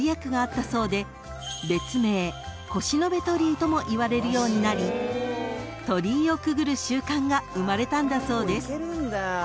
［ともいわれるようになり鳥居をくぐる習慣が生まれたんだそうです］